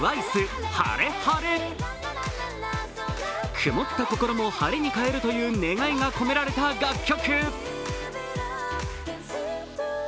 曇った心も晴れに変えるという願いが込められた楽曲。